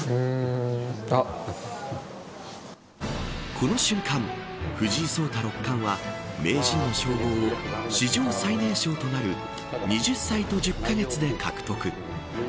この瞬間、藤井聡太六冠は名人の称号を史上最年少となる２０歳と１０カ月で獲得。